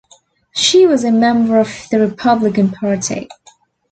She was a member of the Republican Party.